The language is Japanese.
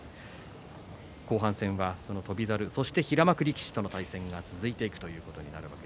後半戦は翔猿、そして平幕力士との対戦が続いていきます。